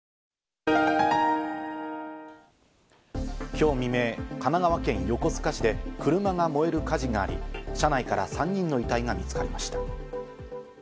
今日未明、神奈川県横須賀市で車が燃える火事があり、車内から３人の遺体が見つかりました。